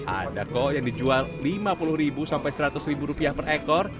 ada kok yang dijual lima puluh sampai seratus rupiah per ekor